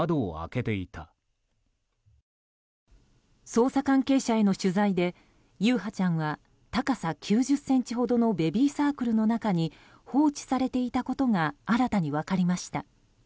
捜査関係者への取材で優陽ちゃんは高さ９０ｃｍほどのベビーサークルの中に放置されていたことが新たに分かりました。